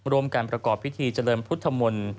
ร่วมการประกอบพิธีเจริญพุทธมนต์